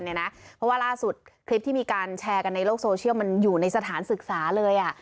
เพราะว่าล่าสุดคลิปที่มีการแชร์กันในโลกโซเชียลมันอยู่ในสถานศึกษาเลย